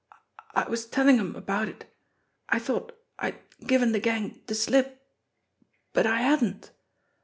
I I was tellin' 'em about it. I thought I'd given de gang de slip. But I hadn't.